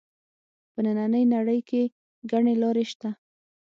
په نننۍ نړۍ کې ګڼې لارې شته